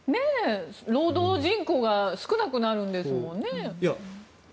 労働人口が少なくなるんですもんね。